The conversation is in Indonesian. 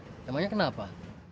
enggak juga namanya kenapa